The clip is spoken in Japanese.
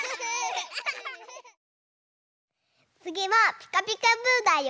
つぎは「ピカピカブ！」だよ！